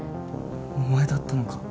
お前だったのか。